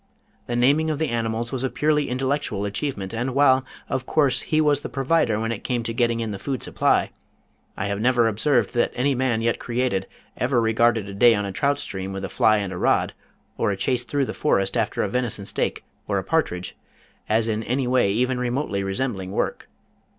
The naming of the animals was a purely intellectual achievement, and while, of course, he was the provider when it came to getting in the food supply, I have never observed that any man yet created ever regarded a day on a trout stream with a fly and a rod, or a chase through the forest after a venison steak, or a partridge, as in any way even remotely resembling work.